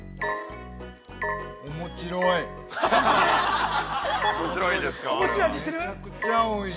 おもちろい！